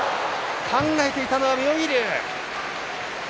考えていたのは妙義龍。